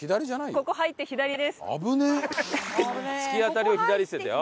突き当たりを左っつってたよ。